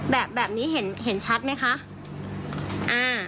แบบแบบนี้เห็นเห็นชัดไหมคะอ่า